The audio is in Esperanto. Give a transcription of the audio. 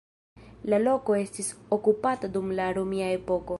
La loko estis okupata dum la romia epoko.